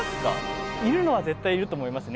いるのは絶対いると思いますね。